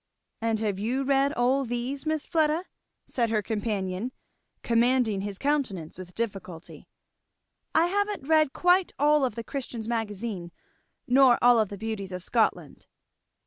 "And have you read all these, Miss Fleda?" said her companion, commanding his countenance with difficulty. "I haven't read quite all of the Christian's Magazine, nor all of the Beauties of Scotland."